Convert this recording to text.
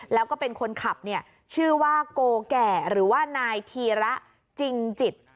แล้วก็เป็นคนขับเนี่ยชื่อว่าโกแก่หรือว่านายธีระจริงจิต